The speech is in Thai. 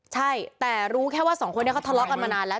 ใช่แต่รู้แค่ว่าสองคนนี้เขาทะเลาะกันมานานแล้ว